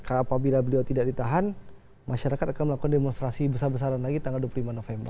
apabila beliau tidak ditahan masyarakat akan melakukan demonstrasi besar besaran lagi tanggal dua puluh lima november